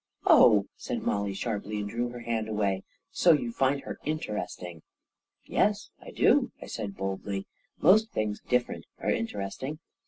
" Oh," said Mollie sharply, and drew her hand away; " so you find her interesting! " 11 Yes, I do," I said, boldly. " Most things dif ferent are interesting.